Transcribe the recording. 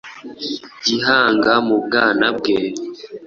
Gihanga mu bwana bwe,